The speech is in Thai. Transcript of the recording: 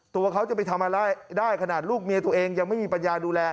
ตัวเขาจะไปทำอะไรได้ขนาดลูกเมียตัวเองยังไม่มีปัญญาดูแล